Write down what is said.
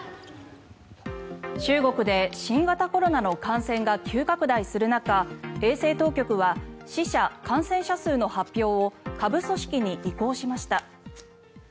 中国で新型コロナの感染が急拡大する中衛生当局は死者・感染者数の発表を下部組織に移行しました。